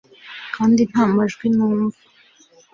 kandi nta majwi numva